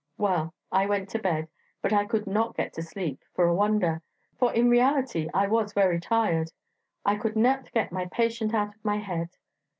Well, I went to bed but I could not get to sleep, for a wonder! for in reality I was very tired. I could not get my patient out of my head.